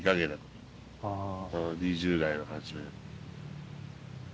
うん２０代の初め。